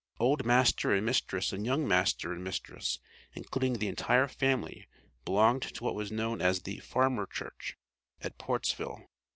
Old master and mistress and young master and mistress, including the entire family, belonged to what was known as the "Farmer church," at Portsville.